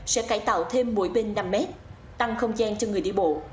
sẽ cải tạo thêm mỗi bên năm mét tăng không gian cho người đi bộ